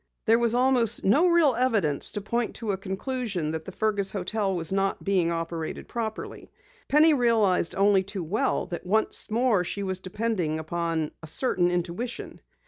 There was almost no real evidence to point to a conclusion that the Fergus hotel was not being operated properly. Penny realized only too well that once more she was depending upon a certain intuition.